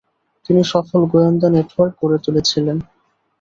তিনি সফল গোয়েন্দা নেটওয়ার্ক গড়ে তুলেছিলেন।